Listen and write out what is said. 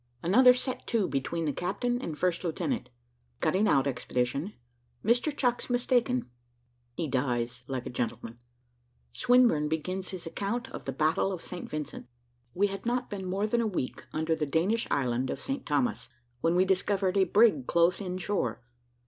ANOTHER SET TO BETWEEN THE CAPTAIN AND FIRST LIEUTENANT CUTTING OUT EXPEDITION MR. CHUCKS MISTAKEN HE DIES LIKE A GENTLEMAN SWINBURNE BEGINS HIS ACCOUNT OF THE BATTLE OF ST. VINCENT. We had not been more than a week under the Danish island of St. Thomas, when we discovered a brig close in shore.